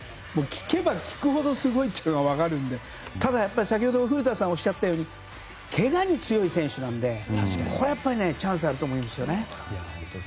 聞けば聞くほどすごいのが分かるのでただ、先ほど古田さんがおっしゃったようにけがに強い選手なのでこれはやっぱりチャンスあると思うんですよね。